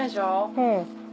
うん。